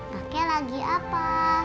kakek lagi apa